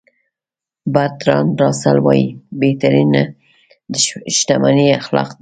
برتراند راسل وایي بهترینه شتمني اخلاق دي.